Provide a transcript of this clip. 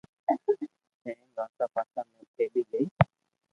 ھینگ آسا پاسا ۾ ڦیھلِي گئي